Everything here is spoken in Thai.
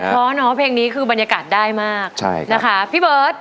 เพราะเนาะเพลงนี้คือบรรยากาศได้มากนะคะพี่เบิร์ต